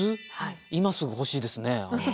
今すぐ欲しいですね。